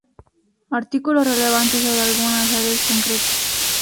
Artículos relevantes sobre algunas áreas concretas.